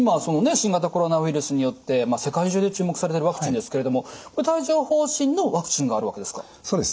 新型コロナウイルスによって世界中で注目されているワクチンですけれども帯状ほう疹のワクチンがあるわけですか？